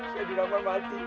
saya diramal mati